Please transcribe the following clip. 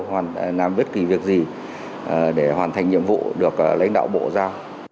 hoàn làm bất kỳ việc gì để hoàn thành nhiệm vụ được lãnh đạo bộ giao